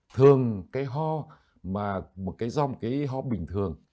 thường cái ho mà một cái rong cái ho bình thường